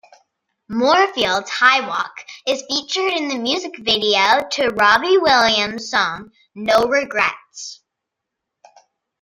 Moorfields Highwalk is featured in the music video to Robbie Williams' song "No Regrets".